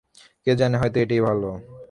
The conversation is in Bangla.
কে জানে, হয়তো এইটেই ভালো।